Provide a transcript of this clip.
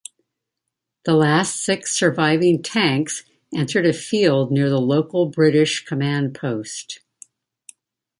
The last six surviving tanks entered a field near the local British command post.